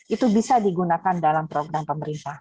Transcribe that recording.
itu bisa digunakan dalam program pemerintah